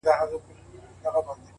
په ورځ کي سل ځلي ځارېدله”